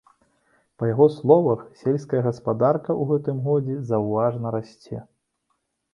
Па яго словах, сельская гаспадарка ў гэтым годзе заўважна расце.